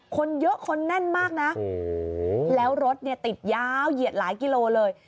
คนเยอะคนแน่นมากนะแล้วรถเนี่ยติดยาวเหยียดหลายกิโลเลย